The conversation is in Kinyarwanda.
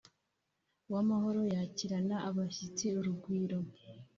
uwamahoro yakirana abashyitsi urugwiro